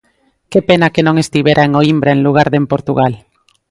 ¡Que pena que non estivera en Oímbra en lugar de en Portugal!